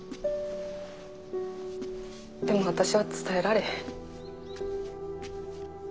でも私は伝えられへん。